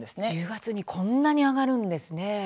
１０月にこんなに上がるんですね。